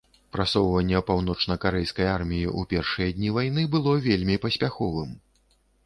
Прасоўванне паўночнакарэйскай арміі ў першыя дні вайны было вельмі паспяховым.